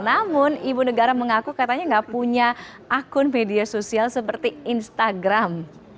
namun ibu negara mengaku katanya nggak punya akun media sosial seperti instagram